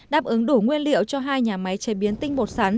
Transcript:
đáp ứng đủ nguyên liệu cho hai nhà máy chế biến tinh bột sắn